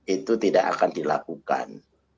itu tidak akan dilakukan